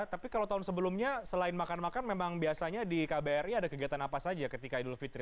tapi kalau tahun sebelumnya selain makan makan memang biasanya di kbri ada kegiatan apa saja ketika idul fitri